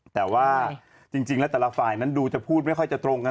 แต่ว่าจริงแล้วแต่ละฝ่ายนั้นดูจะพูดไม่ค่อยจะตรงกัน